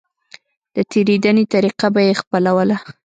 د تېرېدنې طريقه به يې خپلوله.